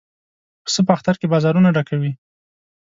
پسه په اختر کې بازارونه ډکوي.